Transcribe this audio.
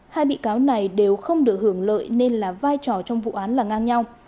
hai bị cáo này đều không được hưởng lợi nên là vai trò trong vụ án là ngang nhau